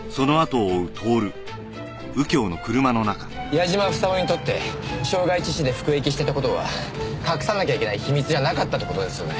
矢嶋房夫にとって傷害致死で服役してた事は隠さなきゃいけない秘密じゃなかったって事ですよね。